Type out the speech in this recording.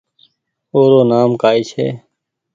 او رو نآم ڪآئي ڇي